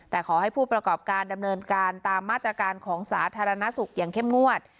แต่ขอให้ผู้ประกอบการดำเนินการตามมาตรการของสาธารณสุขอย่างเข้มงวด